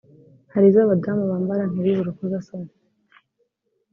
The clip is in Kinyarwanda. hari iz’abadamu bambara ntibibe urukozasoni